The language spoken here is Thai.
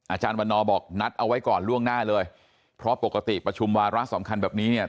อาจารย์วันนอบอกนัดเอาไว้ก่อนล่วงหน้าเลยเพราะปกติประชุมวาระสำคัญแบบนี้เนี่ย